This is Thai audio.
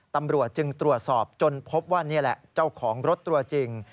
ตำรวจจึงตรวจสอบจนพบว่านี่แหละเจ้าของรถตัวจริง